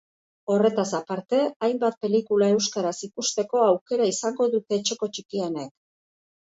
Horretaz aparte, hainbat pelikula euskaraz ikusteko aukera izango dute etxeko txikienek.